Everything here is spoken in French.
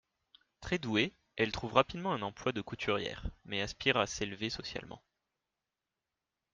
Très douée, elle trouve rapidement un emploi de couturière, mais aspire à s’élever socialement.